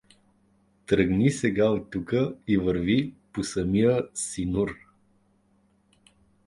Тръгни сега оттука и върви по самия синур!